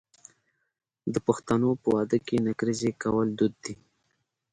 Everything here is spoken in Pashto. د پښتنو په واده کې نکریزې کول دود دی.